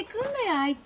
あいつ。